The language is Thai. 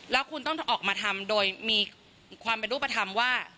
แล้วคุณต้องออกมาทำโดยมีความเป็นรูปธรรมว่า